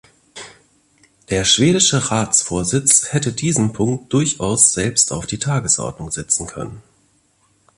Der schwedische Ratsvorsitz hätte diesen Punkt durchaus selbst auf die Tagesordnung setzen können.